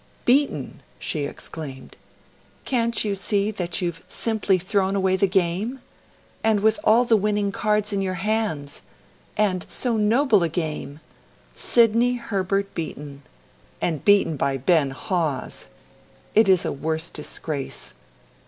'Beaten!' she exclaimed. 'Can't you see that you've simply thrown away the game? And with all the winning cards in your hands! And so noble a game! Sidney Herbert beaten! And beaten by Ben Hawes! It is a worse disgrace